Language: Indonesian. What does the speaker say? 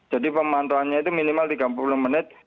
jadi pemantaunya itu minimal tiga puluh menit